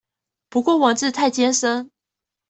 不過文字太艱深